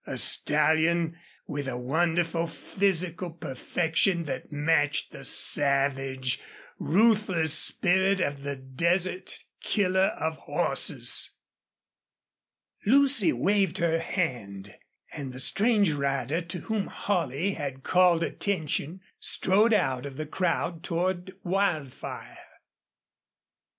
A stallion with a wonderful physical perfection that matched the savage, ruthless spirit of the desert killer of horses! Lucy waved her hand, and the strange rider to whom Holley had called attention strode out of the crowd toward Wildfire.